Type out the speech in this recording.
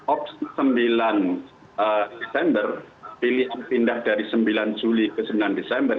opsi sembilan desember pilihan pindah dari sembilan juli ke sembilan desember